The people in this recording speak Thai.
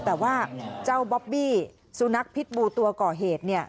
แต่ว่าเจ้าบ๊อบบี้สุนัขพิษบูตัวก่อเหตุ